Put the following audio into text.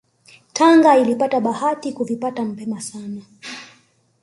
Tanga ilipata bahati kuvipata mapema sana